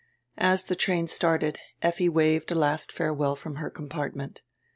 As die train started Effi waved a last farewell from her compartment.